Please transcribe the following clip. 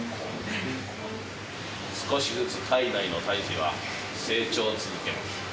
少しずつ体内の胎児は成長を続けます。